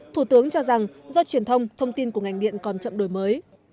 thủ tướng cho rằng do truyền thông thông tin của ngành điện còn chậm đổi mới